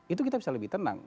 itu kita bisa lebih tenang